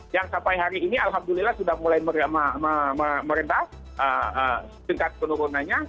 yang sampai hari ini alhamdulillah sudah mulai merendah tingkat penurunannya